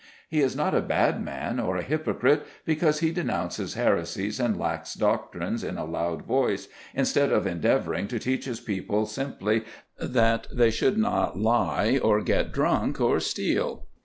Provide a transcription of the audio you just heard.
He is not a bad man, or a hypocrite, because he denounces heresies and lax doctrines in a loud voice, instead of endeavouring to teach his people simply that they should not lie, or get drunk, or steal.